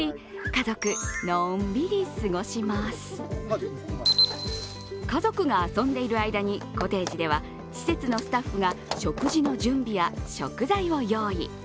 家族が遊んでいる間にコテージでは、施設のスタッフが食事の準備や食材を用意。